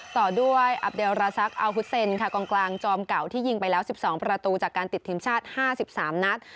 ต่อด้วยอัพเดลราซักเอาฮุทเซนค่ะกลางกลางจอมเก่าที่ยิงไปแล้วสิบสองประตูจากการติดทีมชาติห้าสิบสามนัด